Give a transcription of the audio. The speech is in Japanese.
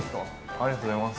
ありがとうございます。